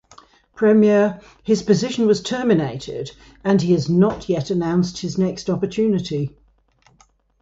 Premier, his position was terminated and he has not yet announced his next opportunity.